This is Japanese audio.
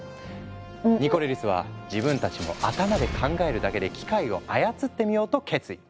ニコレリスは自分たちも頭で考えるだけで機械を操ってみようと決意。